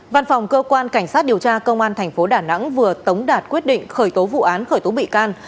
văn phòng cơ quan cảnh sát điều tra công an tp đà nẵng vừa tống đạt quyết định khởi tố vụ án khởi tố bị can